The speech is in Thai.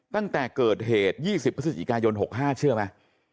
ตั้งแต่เกิดเหตุ๒๐พฤศจิกายน๖๕เชื่อไหม